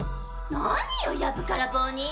何よやぶから棒に！